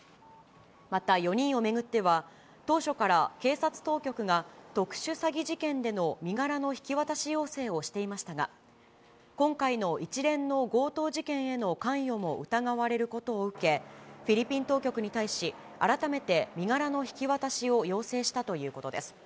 また４人を巡っては、当初から警察当局が、特殊詐欺事件での身柄の引き渡し要請をしていましたが、今回の一連の強盗事件への関与も疑われることを受け、フィリピン当局に対し、改めて身柄の引き渡しを要請したということです。